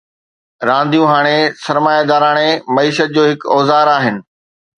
رانديون هاڻي سرمائيداراڻي معيشت جو هڪ اوزار آهن.